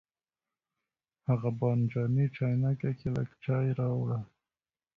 هغه بانجاني چاینکه کې لږ چای راوړه.